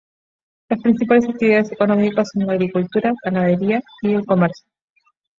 Las principales actividades económicas son la agricultura, ganadería y el comercio.